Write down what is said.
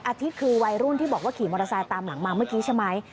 อาทิตย์คือวัยรุ่นที่บอกว่าขี่มอเตอร์ไซค์ตามหลังมาเมื่อกี้ใช่ไหม